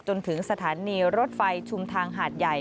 จนถึงสถานีรถไฟชุมทางหาดใหญ่